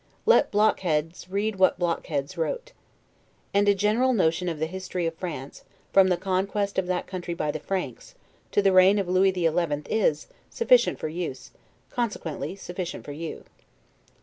Let blockheads read what blockheads wrote. And a general notion of the history of France, from the conquest of that country by the Franks, to the reign of Louis the Eleventh, is sufficient for use, consequently sufficient for you.